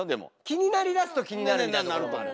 気になりだすと気になるみたいな。